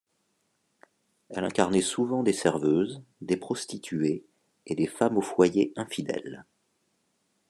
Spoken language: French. Elle incarnait souvent des serveuses, des prostituées et des femmes au foyer infidèles.